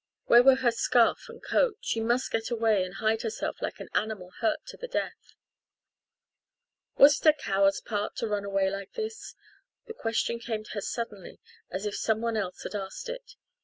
Where were her scarf and coat? She must get away and hide herself like an animal hurt to the death. Was it a coward's part to run away like this? The question came to her suddenly as if someone else had asked it.